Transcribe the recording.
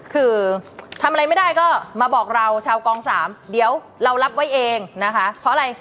คือทำอะไรไม่ได้ก็มาบอกเราชาวกองสามเดี๋ยวเรารับไว้เองนะคะเพราะอะไร